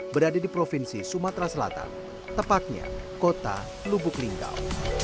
berada di provinsi sumatera selatan tepatnya kota lubuk linggau